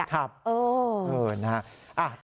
เออเออนะฮะ